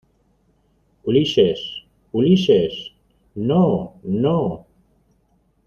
Ulises. ¡ Ulises, no! ¡ no !